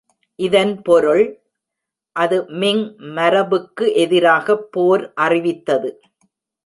இதன் பொருள், அது மிங் மரபுக்கு எதிராகப் போர் அறிவித்தது.